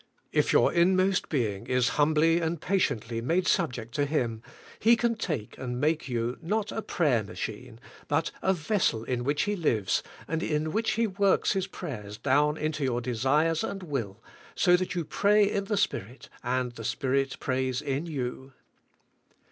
If your inmost being is humbly and patiently made subject to Him. He can take and make you, not a prayer machine, but a vessel in which He lives and in which He works His prayers down into your de sires and will, so that you pray in the Spirit and the Spirit prays in you.